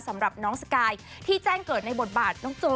สำหรับน้องสกายที่แจ้งเกิดในบทบาทน้องโจ